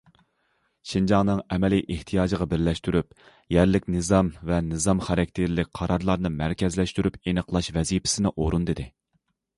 شىنجاڭنىڭ ئەمەلىي ئېھتىياجىغا بىرلەشتۈرۈپ، يەرلىك نىزام ۋە نىزام خاراكتېرلىك قارارلارنى مەركەزلەشتۈرۈپ ئېنىقلاش ۋەزىپىسىنى ئورۇندىدى.